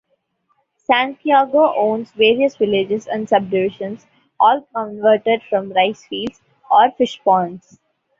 Santiago owns various villages and subdivisions - all converted from ricefields or fishponds.